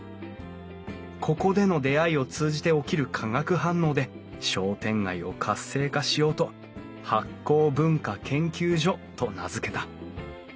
ここでの出会いを通じて起きる化学反応で商店街を活性化しようと醗酵文化研究所と名付けた。